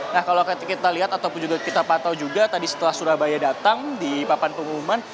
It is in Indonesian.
nah kalau kita lihat ataupun juga kita pantau juga tadi setelah surabaya datang di papan pengumuman